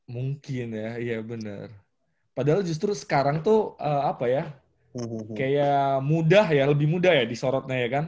mungkin ya iya bener padahal justru sekarang tuh apa ya kayak mudah ya lebih mudah ya disorotnya ya kan